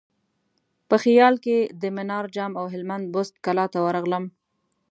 په خیال کې د منار جام او هلمند بست کلا ته ورغلم.